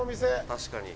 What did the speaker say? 確かに